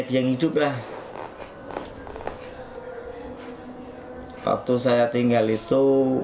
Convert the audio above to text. kini ini setengah hari itu alasan baru